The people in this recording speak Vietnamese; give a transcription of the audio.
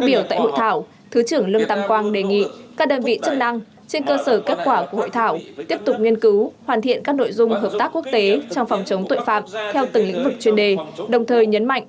bộ trưởng lương tâm quang đề nghị các đơn vị chức năng trên cơ sở kết quả của hội thảo tiếp tục nghiên cứu hoàn thiện các nội dung hợp tác quốc tế trong phòng chống tội phạm theo từng lĩnh vực chuyên đề đồng thời nhấn mạnh